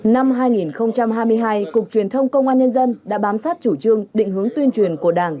năm hai nghìn hai mươi hai cục truyền thông công an nhân dân đã bám sát chủ trương định hướng tuyên truyền của đảng